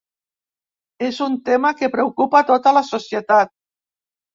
És un tema que preocupa tota la societat.